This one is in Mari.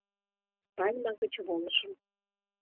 Пальма гыч волышым...